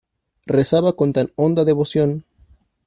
Rezaba con tan honda devoción.